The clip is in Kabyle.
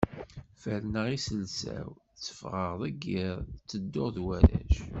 Ferrneɣ iselsa-w, tteffɣeɣ deg yiḍ, ttedduɣ d warrac.